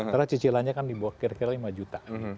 karena cicilannya kan di bawah kira kira lima juta